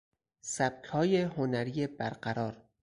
سبکهای هنری برقرار